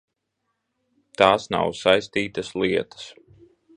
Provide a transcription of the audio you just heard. Tās nav saistītas lietas.